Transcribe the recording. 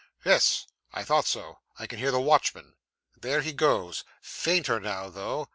Yes. I thought so. I can hear the watchman. There he goes. Fainter now, though.